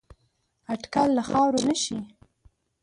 اټکل له خاورو نه شي